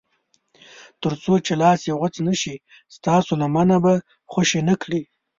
تر څو چې لاس یې غوڅ نه شي ستاسو لمنه به خوشي نه کړي.